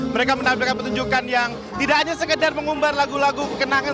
mereka menampilkan pertunjukan yang tidak hanya sekedar mengumbar lagu lagu kenangan